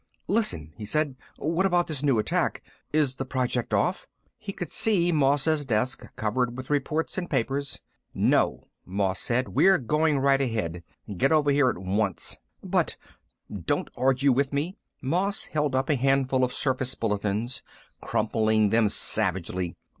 "Listen," he said. "What about this new attack? Is the project off?" He could see Moss's desk, covered with reports and papers. "No," Moss said. "We're going right ahead. Get over here at once." "But " "Don't argue with me." Moss held up a handful of surface bulletins, crumpling them savagely.